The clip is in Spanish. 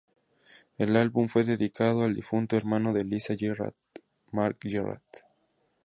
El álbum fue dedicado al difunto hermano de Lisa Gerrard, Mark Gerrard.